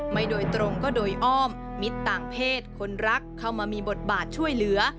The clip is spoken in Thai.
ไม่โดยตรงก็โดยอ้อมมิตรต่างเพศคนรักเข้ามามีบทบาทช่วยเหลือ